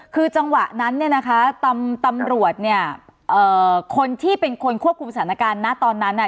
คือจังหวะนั้นเนี่ยนะคะตำรวจเนี่ยเอ่อคนที่เป็นคนควบคุมสถานการณ์นะตอนนั้นน่ะ